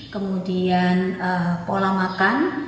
kemudian pola makan